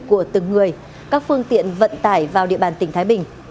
của từng người các phương tiện vận tải vào địa bàn tỉnh thái bình